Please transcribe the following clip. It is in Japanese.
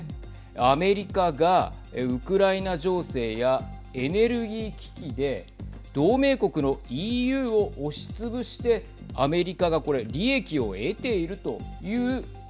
アメリカがウクライナ情勢やエネルギー危機で同盟国のＥＵを押しつぶしてアメリカが、これ利益を得ているはい。